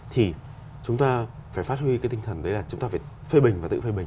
thì chúng ta phải phát huy cái tinh thần đấy là chúng ta phải phê bình và tự phê bình